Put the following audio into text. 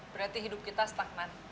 berarti hidup kita stagnan